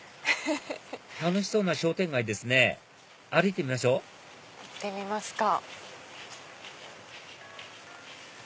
楽しそうな商店街ですね歩いてみましょ行ってみますか。